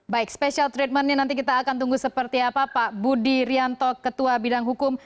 baik special treatmentnya nanti kita akan tunggu seperti apa pak budi rianto ketua bidang hukum